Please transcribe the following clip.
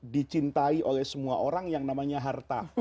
dicintai oleh semua orang yang namanya harta